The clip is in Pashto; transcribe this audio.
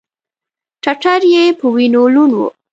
ټټر یې په وینو لوند و.